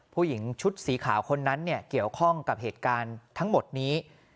ผู้หญิงชุดสีขาวคนนั้นเกี่ยวข้องกับเหตุการณ์ทั้งหมดนี้